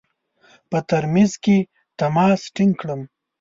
په ترمیز کې تماس ټینګ کړم.